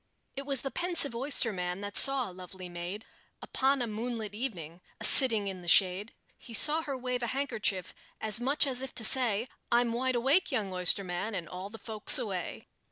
It was the pensive oysterman that saw a lovely maid, Upon a moonlight evening, a sitting in the shade: He saw her wave a handkerchief, as much as if to say, "I'm wide awake, young oysterman, and all the folks away."